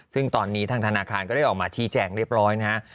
ซึ่งตอนนี้ทางธนาคารก็ได้ออกมาชี้แจงเรียบร้อยนะฮะ